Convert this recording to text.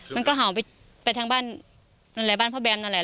มันก็เห่าไปทางบ้านนั่นแหละบ้านพ่อแบมนั่นแหละ